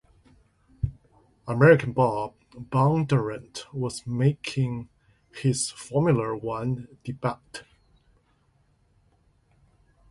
American Bob Bondurant was making his Formula One debut.